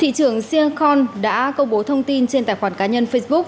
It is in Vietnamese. thị trưởng siakon đã công bố thông tin trên tài khoản cá nhân facebook